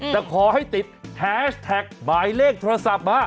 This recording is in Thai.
แต่ขอให้ติดแฮชแท็กหมายเลขโทรศัพท์มา